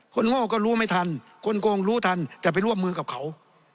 โง่ก็รู้ไม่ทันคนโกงรู้ทันแต่ไปร่วมมือกับเขา